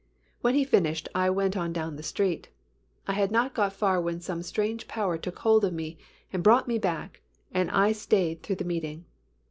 When he finished I went on down the street. I had not gone far when some strange power took hold of me and brought me back and I stayed through the meeting.